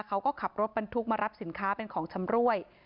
เขาก็ขับรถบรรทุกมารับสินค้าเป็นของชำรวย